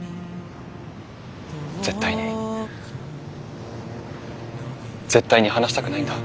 絶対に絶対に離したくないんだ。